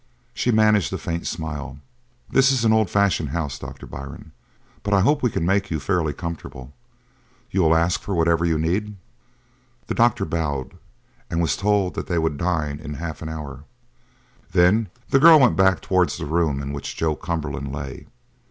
She managed a faint smile. "This is an old fashioned house, Doctor Byrne, but I hope we can make you fairly comfortable. You'll ask for whatever you need?" The doctor bowed, and was told that they would dine in half an hour, then the girl went back towards the room in which Joe Cumberland lay.